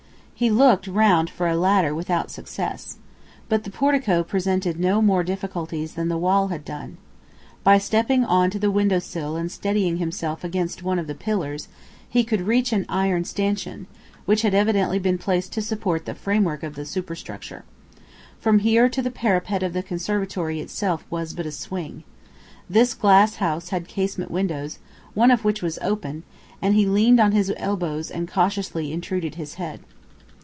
He looked round for a ladder without success. But the portico presented no more difficulties than the wall had done. By stepping on to the window sill and steadying himself against one of the pillars, he could reach an iron stanchion, which had evidently been placed to support the framework of the superstructure. From here to the parapet of the conservatory itself was but a swing. This glass house had casement windows, one of which was open, and he leaned on his elbows and cautiously intruded his head.